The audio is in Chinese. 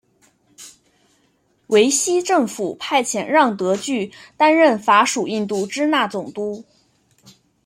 维希政府派遣让德句担任法属印度支那总督。